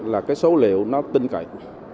là cái số liệu nó tinh cậy